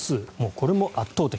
これも圧倒的。